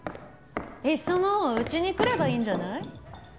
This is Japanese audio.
いっそもううちに来ればいいんじゃない？